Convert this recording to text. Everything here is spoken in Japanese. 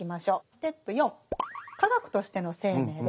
ステップ４「化学としての生命」です。